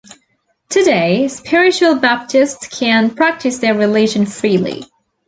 Today Spiritual Baptists can practise their religion freely.